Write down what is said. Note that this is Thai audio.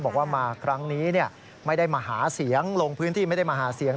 บอกว่ามาครั้งนี้ไม่ได้มาหาเสียงลงพื้นที่ไม่ได้มาหาเสียง